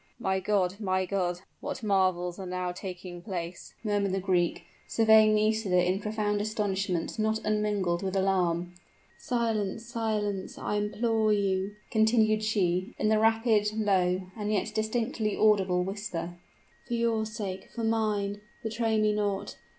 "My God! my God! what marvels are now taking place!" murmured the Greek, surveying Nisida in profound astonishment not unmingled with alarm. "Silence silence, I implore you!" continued she, in the rapid, low, and yet distinctly audible whisper, "for your sake for mine, betray me not!